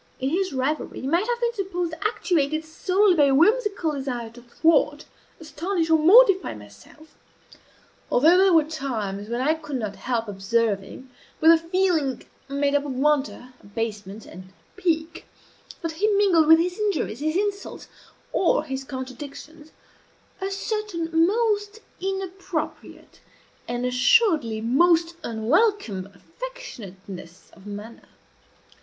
In his rivalry he might have been supposed actuated solely by a whimsical desire to thwart, astonish, or mortify myself; although there were times when I could not help observing, with a feeling made up of wonder, abasement, and pique, that he mingled with his injuries, his insults, or his contradictions, a certain most inappropriate, and assuredly most unwelcome, affectionateness of manner.